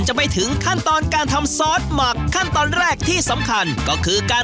ใช่ครับอุ๋ยลักหมื่น